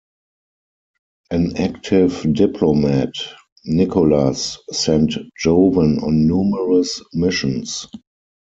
An active diplomat, Nicholas sent Jovan on numerous missions.